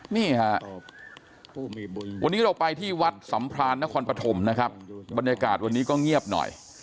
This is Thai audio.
นี่ค่ะวันนี้เราไปที่วัดสัมพรานนครปฐมนะครับบรรยากาศวันนี้ก็เงียบหน่อย